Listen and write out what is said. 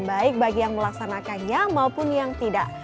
baik bagi yang melaksanakannya maupun yang tidak